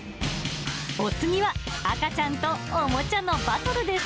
お次は、赤ちゃんとおもちゃのバトルです。